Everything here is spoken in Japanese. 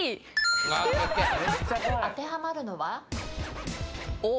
当てはまるのは？